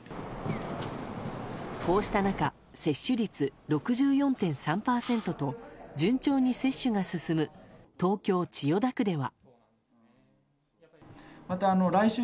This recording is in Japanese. こうした中、接種率６４．３％と順調に接種が進む東京・千代田区では。